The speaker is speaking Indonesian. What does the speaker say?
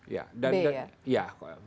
ya at best ya